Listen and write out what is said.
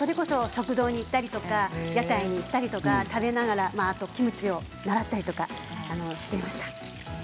食堂に行ったりとか屋台に行ったりとか食べながらとかキムチを習ったりしています。